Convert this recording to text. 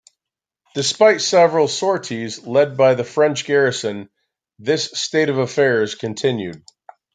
Despite several sorties led by the French garrison, this state of affairs continued.